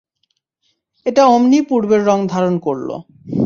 এটা অমনি পূর্বের রঙ ধারণ করল।